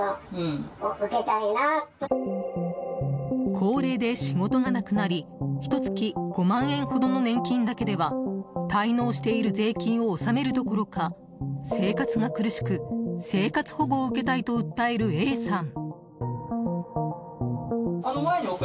高齢で仕事がなくなりひと月５万円ほどの年金だけでは滞納している税金を納めるどころか、生活が苦しく生活保護を受けたいと訴えるＡさん。